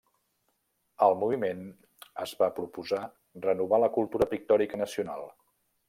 El moviment es va proposar renovar la cultura pictòrica nacional.